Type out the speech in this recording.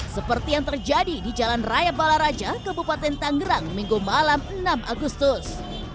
seperti yang terjadi di jalan raya balaraja kabupaten tanggerang minggu malam enam agustus